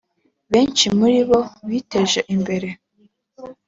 Benshi muri bo biteje imbere